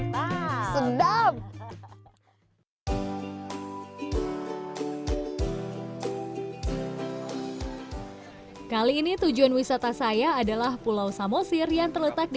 hai sedap kali ini tujuan wisata saya adalah pulau samosir yang terletak di